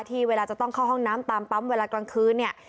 เวลาจะต้องเข้าห้องน้ำตามปั๊มเวลากลางคืนเนี่ย